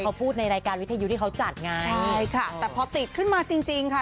เขาพูดในรายการวิทยุที่เขาจัดไงใช่ค่ะแต่พอติดขึ้นมาจริงจริงค่ะ